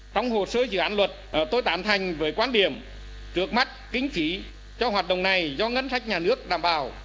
trong hồ sơ dự án luật tôi tán thành với quan điểm trước mắt kính phí cho hoạt động này do ngân sách nhà nước đảm bảo